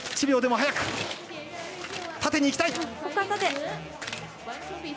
１秒でも速く縦にいきたい。